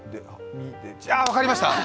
ああ、分かりました！